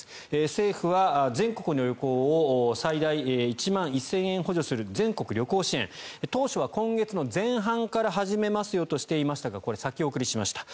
政府は全国の旅行を最大１万１０００円補助する全国旅行支援当初は今月前半から始めますとしていましたがこれ、先送りしました。